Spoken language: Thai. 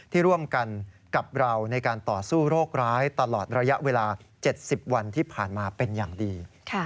ที่ร่วมกันกับเราในการต่อสู้โรคร้ายตลอดระยะเวลา๗๐วันที่ผ่านมาเป็นอย่างดี